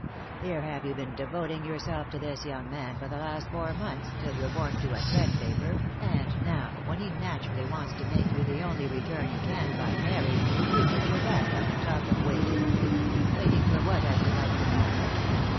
" Here have you been devoting yourself to this young man for the last four months, till you're worn to a threadpaper, and now, when he naturally wants to make you the only return he can by mar rying you, you put your back up, and talk of waiting. Waiting for what, I should like to know